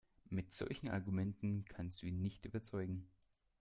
Mit solchen Argumenten kannst du ihn nicht überzeugen.